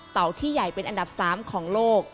ที่ใหญ่เป็นอันดับ๓ของโลก